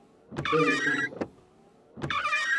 Pebezh spont !